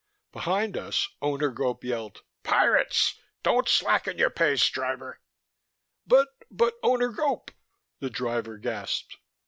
Behind us Owner Gope yelled "Pirates! Don't slacken your pace, driver." "But, but, Owner Gope " the driver gasped.